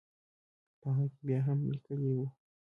په هغه کې بیا هم لیکلي وو.